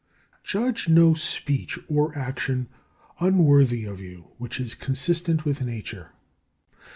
3. Judge no speech or action unworthy of you which is consistent with nature.